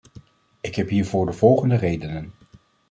Ik heb hiervoor de volgende redenen.